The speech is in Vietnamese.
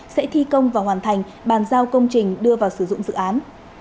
sẽ thi công và hoàn thành bàn giao công trình đưa vào sử dụng dự án